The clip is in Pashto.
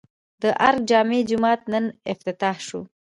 د ارګ جامع جومات نن افتتاح شو